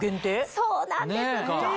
そうなんです。